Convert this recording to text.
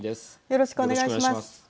よろしくお願いします。